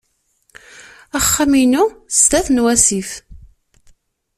Axxam-inu sdat n wasif.